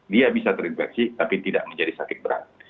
dia bisa terinfeksi tapi tidak menjadi sakit berat